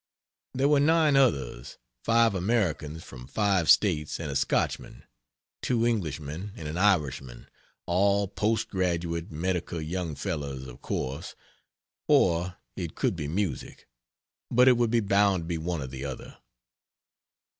There were 9 others 5 Americans from 5 States and a Scotchman, 2 Englishmen and an Irishman all post graduate medical young fellows, of course or, it could be music; but it would be bound to be one or the other.